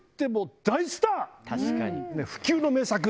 不朽の名作